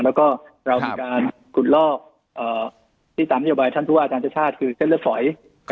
แล้วก็เรามีการขุดลอกที่ตามเที่ยวบายท่านทั่วอาจารย์เจ้าชาติคือเส้นเลือดสอย